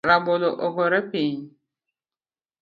Rabolo ogore piny